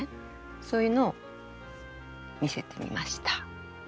そういうのを見せてみました。